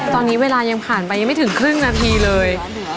ตอนนี้เวลายังผ่านไปยังไม่ถึงครึ่งนาทีเลย